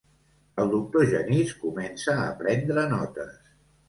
El doctor Genís comença a prendre notes.